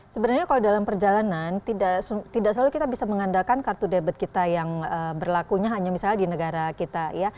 sebenarnya kalau dalam perjalanan tidak selalu kita bisa mengandalkan kartu debit kita yang berlakunya hanya misalnya di negara kita ya